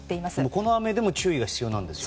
この雨でも注意が必要なんですね。